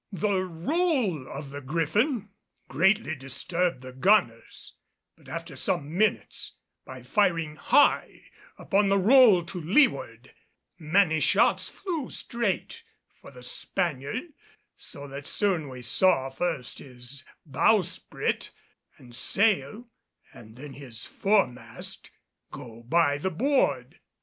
The roll of the Griffin greatly disturbed the gunners, but after some minutes, by firing high upon the roll to leeward, many shots flew straight for the Spaniard, so that soon we saw first his bowsprit and sail, and then his foremast go by the board.